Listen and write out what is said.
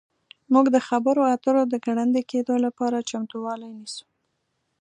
موږ د خبرو اترو د ګړندي کیدو لپاره چمتووالی نیسو